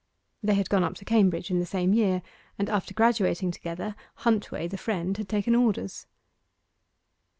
They had gone up to Cambridge in the same year, and, after graduating together, Huntway, the friend, had taken orders.